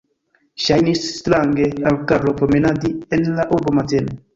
Ŝajnis strange al Karlo promenadi en la urbo matene.